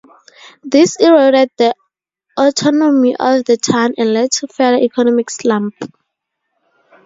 This eroded the autonomy of the town and led to further economic slump.